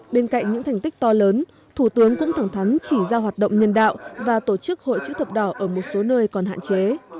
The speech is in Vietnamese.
bên cạnh những thành tích to lớn thủ tướng cũng thẳng thắn chỉ ra hoạt động nhân đạo và tổ chức hội chữ thập đỏ ở một số nơi còn hạn chế